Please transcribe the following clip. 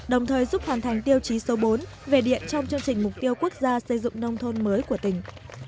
đồng thời giúp hoàn thành tiêu chí số bốn về điện trong chương trình mục tiêu quốc gia xây dựng nông thôn mới của tỉnh